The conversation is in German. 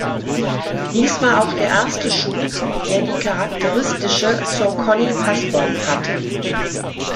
Dies war auch der erste Schuh, der die charakteristische Saucony-Passform hatte.